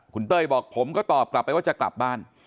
คุณเต้ยบอกผมก็ตอบกลับไปว่าจะกลับบ้าน